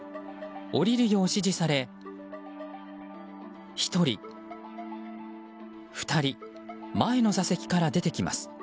降りるよう指示され１人、２人前の座席から出てきます。